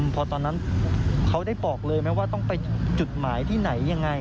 พอตอนนั้นเขาได้บอกเลยไหมว่าต้องไปจุดหมายที่ไหนยังไง